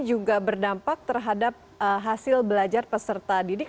juga berdampak terhadap hasil belajar peserta didik